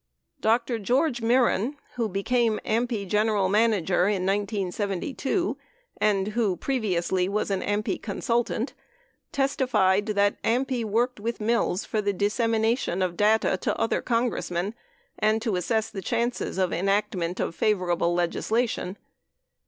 Dr. George Mehren (who became AMPI general manager in 1972 and who previously was an AMPI consultant) testified that AMPI worked with Mills for the dissemination of data to other Congress men and to assess the chances of enactment of favorable legislation.